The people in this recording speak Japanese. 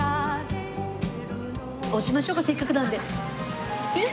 押しましょうかせっかくなので。